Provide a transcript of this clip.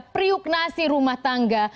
priuk nasi rumah tangga